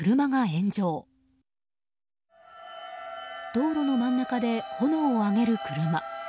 道路の真ん中で炎を上げる車。